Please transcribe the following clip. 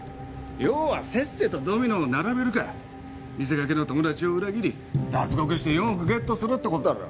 要はせっせとドミノを並べるか見せかけの友達を裏切り脱獄して４億ゲットするって事だろ？